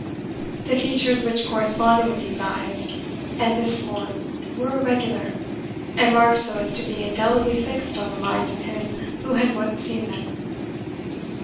The features which corresponded with these eyes and this form were irregular, and marked so as to be indelibly fixed on the mind of him who had once seen them.